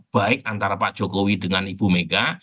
baik antara pak jokowi dengan ibu mega